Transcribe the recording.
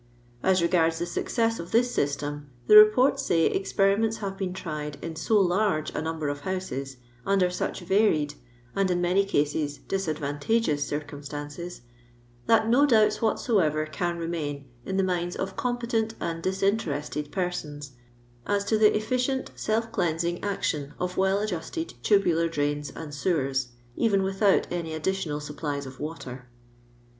As regards the success of this system the re ports say experiments have been tried in so isntt a number of houses, under such varied and, m many cases, disadvantageous circumstances, that no doubts whatsoever can remain iu the uiind» of competent and disinterested persous as to cIm etticient selfcleanaing action of w^ell adjuited tubular drains and sewers, even without any addi tional supplies of water.